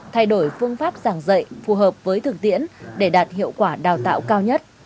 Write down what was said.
thay đổi phương pháp giảng dạy phù hợp với thực tiễn để đạt hiệu quả đào tạo cao nhất